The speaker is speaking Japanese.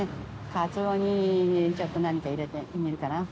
カツオにちょっと何か入れて煮るかな。